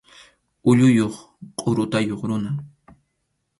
Ulluyuq qʼurutayuq runa.